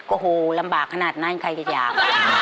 โอ้โหลำบากขนาดนั้นใครจะอยาก